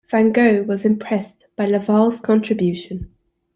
Van Gogh was impressed by Laval's contribution.